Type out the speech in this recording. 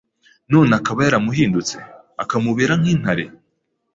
none akaba yaramuhindutse akamubera nk’intare